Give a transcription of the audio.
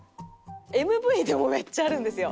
ＭＶでもめっちゃあるんですよ。